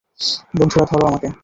বন্ধুরা ধরো আমাকে।